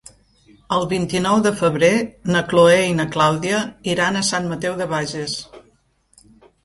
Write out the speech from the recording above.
El vint-i-nou de febrer na Chloé i na Clàudia iran a Sant Mateu de Bages.